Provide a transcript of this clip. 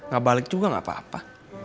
gak balik juga gak apa apa